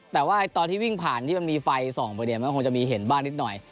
แต่ว่าตอนที่วิ่งผ่านที่มันมีไฟส่องไปเนี่ยมันคงจะมีเห็นบ้างนิดหน่อย